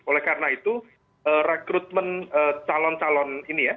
oleh karena itu rekrutmen calon calon ini ya